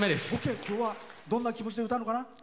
今日は、どんな気持ちで歌うのかな？